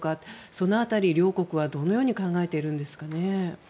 その辺り、両国はどのように考えているんですかね。